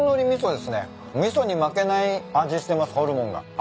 味噌に負けない味してますホルモンが。